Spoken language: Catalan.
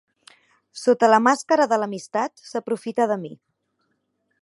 Sota la màscara de l'amistat s'aprofita de mi.